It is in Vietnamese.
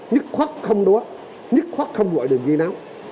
nhất khoắc không đúa nhất khoắc không bội đường di náo